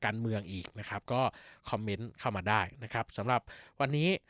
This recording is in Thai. การเมืองอีกนะครับก็คอมเมนต์เข้ามาได้นะครับสำหรับวันนี้